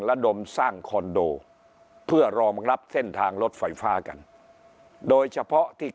ระดมสร้างคอนโดเพื่อรองรับเส้นทางรถไฟฟ้ากันโดยเฉพาะที่